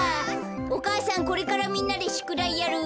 お母さんこれからみんなでしゅくだいやる。